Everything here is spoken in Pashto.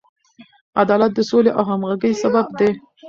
عدالت د سولې او همغږۍ سبب دی.